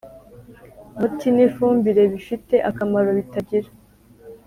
muti n ifumbire bifite akamaro bitagira